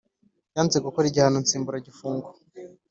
Yanze gukora igihano nsimbura gifungo